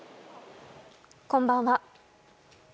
こんばんは。